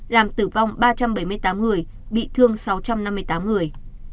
làm tử vong ba trăm bảy mươi tám người bị thương sáu trăm năm mươi tám người